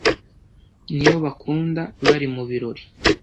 Ni yo bakunda bali mu birori!